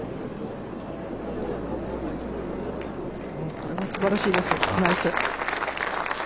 これもすばらしいです、ナイス！